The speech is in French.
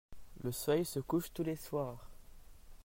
Le soleil se couche tous les soirs.